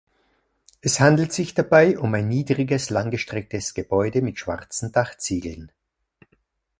Es handelt sich dabei um ein niedriges langgestrecktes Gebäude mit schwarzen Dachziegeln.